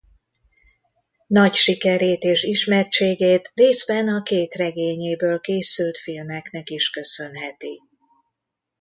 Nagy sikerét és ismertségét részben a két regényéből készült filmeknek is köszönheti.